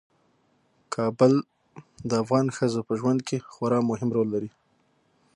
کابل د افغان ښځو په ژوند کې خورا مهم رول لري.